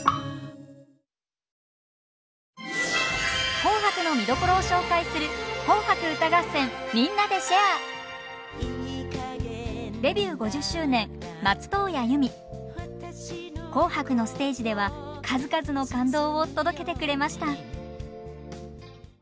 「紅白」の見どころを紹介する「紅白」のステージでは数々の感動を届けてくれました。